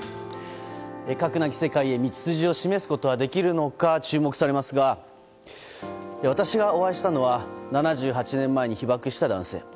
核なき世界へ道筋を求めることはできるのか注目されますが私がお会いしたのは７８年前に被爆した男性。